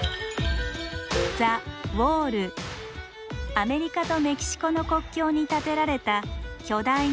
アメリカとメキシコの国境に建てられた巨大な壁。